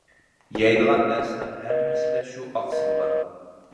يەيدىغان نەرسىنىڭ ھەممىسىدە شۇ ئاقسىل بار.